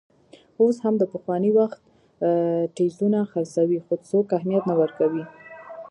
اوس هم د پخواني وخت ټیزونه خرڅوي، خو څوک اهمیت نه ورکوي.